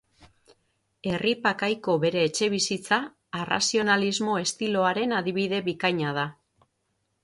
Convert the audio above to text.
Erripa kaiko bere etxebizitza arrazionalismo estiloaren adibide bikaina da.